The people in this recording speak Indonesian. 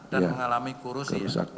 dan mengalami korosif